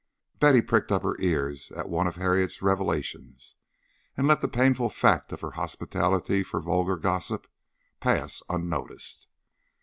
Betty pricked up her ears at one of Harriet's revelation, and let the painful fact of her hospitality for vulgar gossip pass unnoticed.